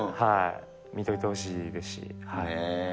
見ておいてほしいですね。